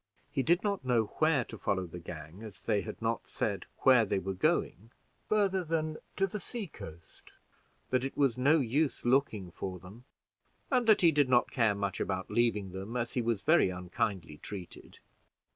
He did not know where to follow the gang, as they had not said where they were going, farther than to the sea coast. That it was no use looking for them; and that he did not care much about leaving them, as he was very unkindly treated.